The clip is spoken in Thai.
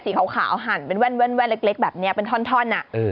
สีขาวขาวหั่นเป็นแว่นแว่นแว่นเล็กเล็กแบบเนี้ยเป็นท่อนท่อนอ่ะเออ